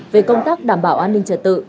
về công tác đảm bảo an ninh trở tự